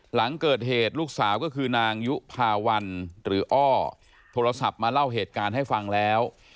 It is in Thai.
หลังเกิดเหตุลูกสาวก็คือนางยุภาวันหรืออ้อโทรศัพท์มาเล่าเหตุการณ์ให้ฟังแล้ว